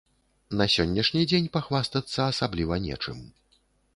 На сённяшні дзень пахвастацца асабліва нечым.